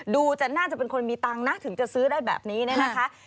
ดูจะน่าจะเป็นคนมีตังค์นะถึงจะซื้อได้แบบนี้เนี่ยนะคะ